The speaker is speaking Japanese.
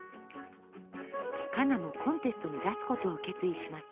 カナもコンテストに出すことを決意します。